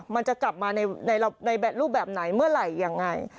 มันจะกลับมาในรูปแบบไหนเมื่อไหร่ยังไง